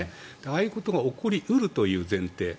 ああいうことが起こり得るという前提。